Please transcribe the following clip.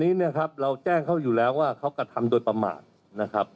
นี้เนี่ยครับเราแจ้งเขาอยู่แล้วว่าเขากระทำโดยประมาทนะครับ